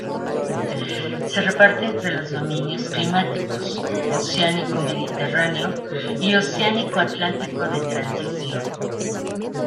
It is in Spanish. Se reparte entre los dominios climáticos oceánico mediterráneo y oceánico atlántico de transición.